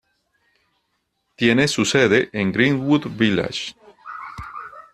Tiene su sede en Greenwood Village.